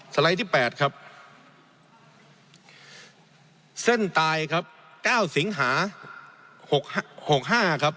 สไลด์ที่แปดครับเส้นตายครับ๙สิงหา๖๕ครับ